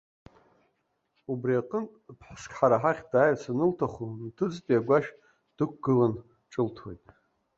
Убри аҟнытә, ԥҳәыск ҳара ҳахь дааирц анылҭаху, нҭыҵтәи агәашә дықәгылан ҿылҭуеит.